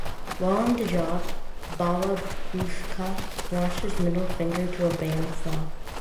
While on the job, Balabushka lost his middle finger to a band saw.